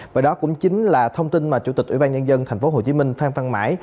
và đó cũng chính là thông tin mà chủ tịch ủy ban nhân dân tp hcm phan văn mãi